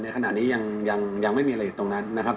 ขณะนี้ยังไม่มีอะไรอยู่ตรงนั้นนะครับ